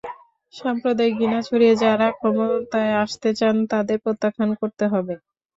সাম্প্রদায়িক ঘৃণা ছড়িয়ে যাঁরা ক্ষমতায় আসতে চান, তাঁদের প্রত্যাখ্যান করতে হবে।